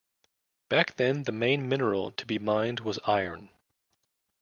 Back then the main mineral to be mined was iron.